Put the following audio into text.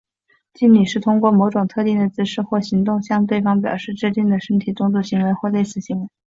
敬礼是通过某种特定的姿势或行动向对方表示致敬的身体动作或类似行为。